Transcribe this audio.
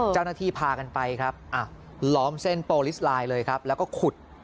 เจ้าหน้าที่พากันไปครับอ่ะล้อมเส้นโปรลิสไลน์เลยครับแล้วก็ขุด